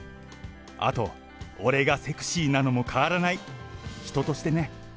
あと、俺がセクシーなのも変わらない、人としてね。